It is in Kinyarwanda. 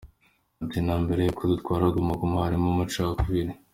Ati “Na mbere y’uko dutwara Guma Guma harimo amacakubiri.